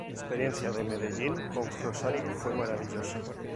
La experiencia de Medellín con Rosario fue maravillosa".